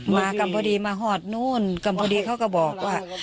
มากันพอดีมาหอดนู่นก็พอดีเขาก็บอกว่า